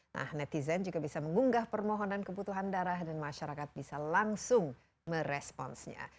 nah netizen juga bisa mengunggah permohonan kebutuhan darah dan masyarakat bisa langsung meresponsnya